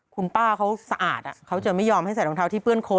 คุณป้าเขาสะอาดเขาจะไม่ยอมให้ใส่รองเท้าที่เปื้อนโด